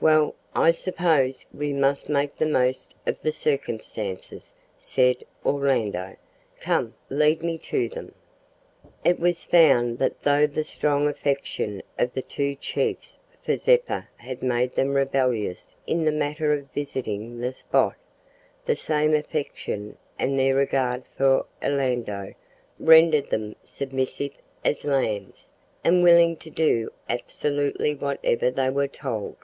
"Well, I suppose we must make the most of the circumstances," said Orlando. "Come, lead me to them." It was found that though the strong affection of the two chiefs for Zeppa had made them rebellious in the matter of visiting the spot, the same affection, and their regard for Orlando, rendered them submissive as lambs, and willing to do absolutely whatever they were told.